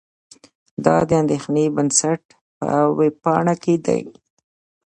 دا د اندېښې بنسټ په وېبپاڼه کې دي.